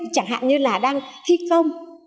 chẳng hạn như là đang thi công